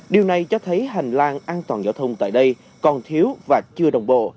điều này cho thấy hành lang an toàn giao thông tại đây còn thiếu và chưa đồng bộ